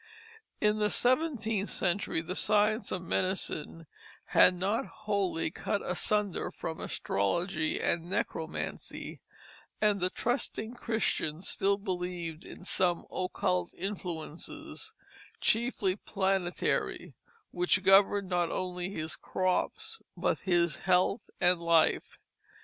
In the seventeenth century the science of medicine had not wholly cut asunder from astrology and necromancy; and the trusting Christian still believed in some occult influences, chiefly planetary, which governed not only his crops but his health and life.